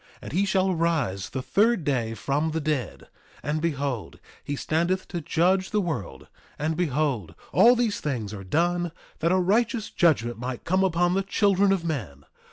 3:10 And he shall rise the third day from the dead; and behold, he standeth to judge the world; and behold, all these things are done that a righteous judgment might come upon the children of men.